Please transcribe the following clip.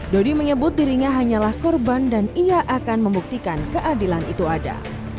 dodi menyebut dirinya hanyalah korban dan ia akan membuktikan keadilan itu ada